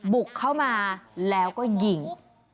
บุกเข้ามาแล้วก็ยิง